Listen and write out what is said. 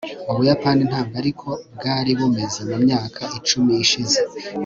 ubuyapani ntabwo ariko bwari bumeze mu myaka icumi ishize